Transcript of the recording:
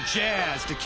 すてき。